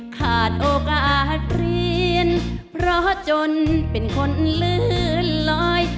ขาดโอกาสเรียนเพราะจนเป็นคนลื่นลอย